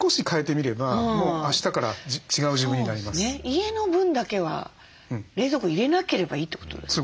家の分だけは冷蔵庫入れなければいいってことですよね。